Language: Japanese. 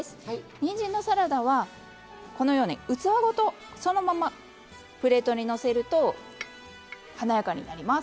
にんじんのサラダはこのように器ごとそのままプレートにのせると華やかになります。